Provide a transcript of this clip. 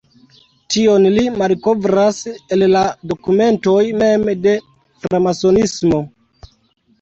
Tion li malkovras el la dokumentoj mem de framasonismo.